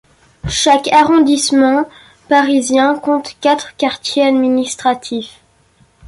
Chaque arrondissement parisien compte quatre quartiers administratifs.